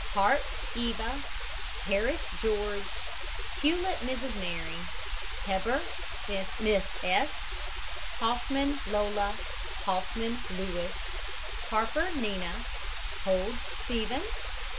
HART, EVA. HARRIS, GEORGE. HEWLETT, MRS. MARY. HEBBER, MISS S. HOFFMAN, LOLA. HOFFMAN, LOUIS. HARPER, NINA. HOLD, STEPHEN.